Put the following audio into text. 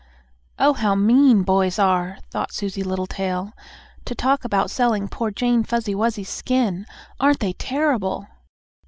"Oh, how mean boys are!" thought Susie Littletail. "To talk about selling poor Jane Fuzzy Wuzzy's skin! Aren't they terrible!"